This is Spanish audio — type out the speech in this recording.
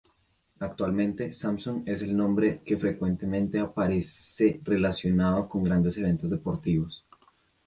Actualmente, Samsung es el nombre que frecuentemente aparece relacionado con grandes eventos deportivos.